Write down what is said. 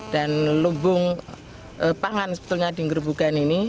dan lumbung pangan sebetulnya di gerobogan ini